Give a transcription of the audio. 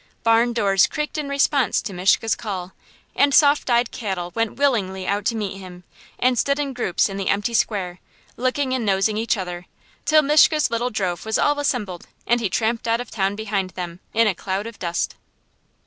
Barn doors creaked in response to Mishka's call, and soft eyed cattle went willingly out to meet him, and stood in groups in the empty square, licking and nosing each other; till Mishka's little drove was all assembled, and he tramped out of town behind them, in a cloud of dust.